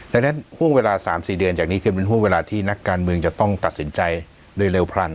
ดังนั้นห่วงเวลา๓๔เดือนจากนี้คือเป็นห่วงเวลาที่นักการเมืองจะต้องตัดสินใจโดยเร็วพรรณ